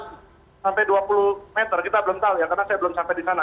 sampai dua puluh meter kita belum tahu ya karena saya belum sampai di sana